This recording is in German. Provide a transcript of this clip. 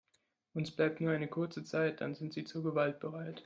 Uns bleibt nur eine kurze Zeit, dann sind sie zur Gewalt bereit.